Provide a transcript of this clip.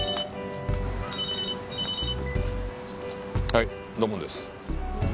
はい土門です。